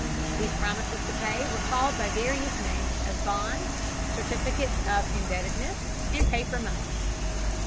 These promises to pay were called by various names as bonds, certificates of indebtedness, and paper money.